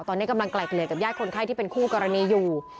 ตอนนี้กำลังไกลเกลี่ยกับญาติคนไข้ที่เป็นคู่กรณีอยู่